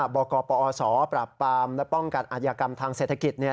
บกปอศปราบปรามและป้องกันอาชญากรรมทางเศรษฐกิจ